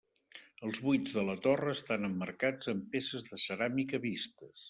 Els buits de la torre estan emmarcats amb peces de ceràmica vistes.